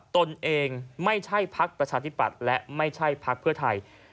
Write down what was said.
ตนเองไม่ใช่พักประชาธิปัตย์และไม่ใช่พักเพื่อไทย